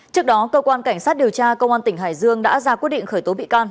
trước đó cơ quan cảnh sát điều tra công an tỉnh hải dương đã ra quyết định khởi tố bị can